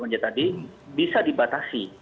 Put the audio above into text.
dua puluh delapan j tadi bisa dibatasi